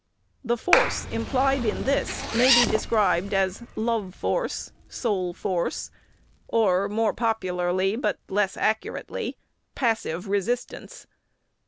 The force implied in this may be described as love force, soul force, or, more popularly but less accurately, passive resistance.